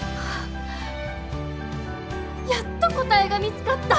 やっと答えが見つかった！